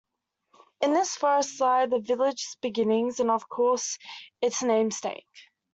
In this forest lie the village's beginnings, and of course its namesake.